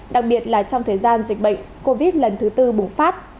đặc biệt là trong thời gian dịch bệnh covid lần thứ tư bùng phát